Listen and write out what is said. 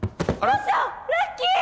ラッキー！